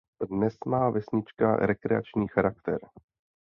Dnes má vesnička rekreační charakter.